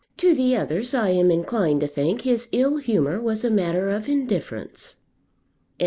To the others I am inclined to think his ill humour was a matter of indifference. CHAPTER XI.